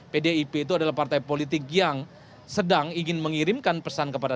pdip itu adalah partai politik yang sedang ingin mengirimkan pesan kepada